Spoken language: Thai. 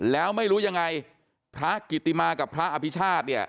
แล้วไม่รู้ยังไงพระกิติมากับพระอภิชาติเนี่ย